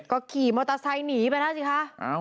ก็ขี่มอเตอร์ไซค์หนีไปแล้วสิคะ